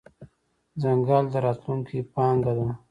ځنګل د راتلونکې پانګه ده.